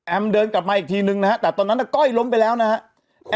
เดินกลับมาอีกทีนึงนะฮะแต่ตอนนั้นก้อยล้มไปแล้วนะครับ